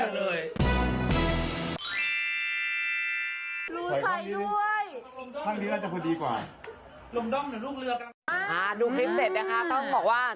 ดูคลิปเสร็จนะคะต้องบอกว่า